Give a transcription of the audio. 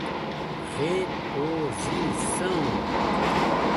reposição